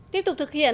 tiếp tục thực hiện